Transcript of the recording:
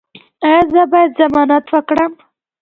ایا زه باید ضمانت وکړم؟